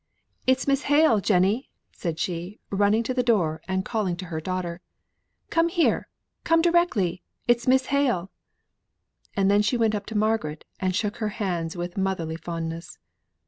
"It's Miss Hale, Jenny," said she, running to the door, and calling to her daughter. "Come here, come directly, it's Miss Hale!" And then she went up to Margaret, and shook hands with motherly fondness.